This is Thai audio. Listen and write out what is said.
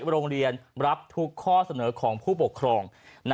โรงเรียนรับทุกข้อเสนอของผู้ปกครอง